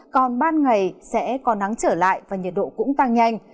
còn ban ngày sẽ có nắng trở lại và nhiệt độ cũng tăng nhanh